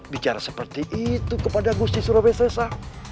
bicara seperti itu kepada gusti surabaya